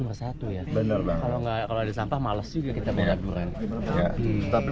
bersatu ya bener banget kalau nggak kalau ada sampah males juga kita melakukan tapi